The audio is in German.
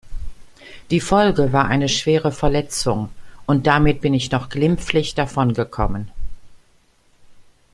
Die Folge war eine schwere Verletzung und damit bin ich noch glimpflich davon gekommen.